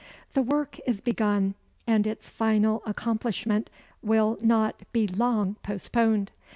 The work is begun, and its final accomplishment will not be long postponed.